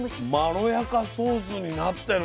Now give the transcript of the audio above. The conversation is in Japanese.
まろやかソースになってる。